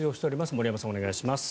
森山さん、お願いします。